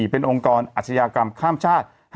เป็นองค์กรอาชญากรรมข้ามชาติ